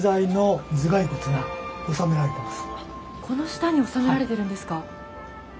この下に納められてるんですか。